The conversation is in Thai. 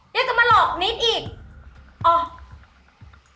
ยังจะมาหลอกนิดอีกอ๋อ